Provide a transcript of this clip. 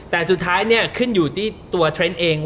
แต่สุดท้ายเนี่ยขึ้นอยู่ที่ตัวเทรนด์เอง